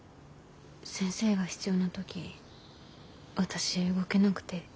先生が必要な時私動けなくてだから。